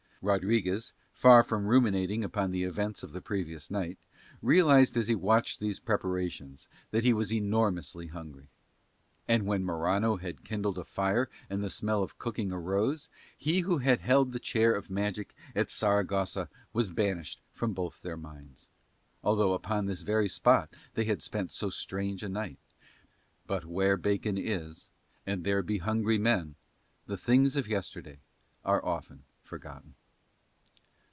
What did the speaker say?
Rodriguez, far from ruminating upon the events of the previous night, realised as he watched these preparations that he was enormously hungry. And when Morano had kindled a fire and the smell of cooking arose, he who had held the chair of magic at Saragossa was banished from both their minds, although upon this very spot they had spent so strange a night; but where bacon is, and there be hungry men, the things of yesterday are often forgotten.